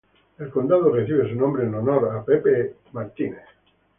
El condado recibe su nombre en honor a Robert Fulton.